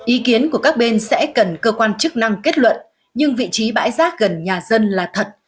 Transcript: ý kiến của các bên sẽ cần cơ quan chức năng kết luận nhưng vị trí bãi rác gần nhà dân là thật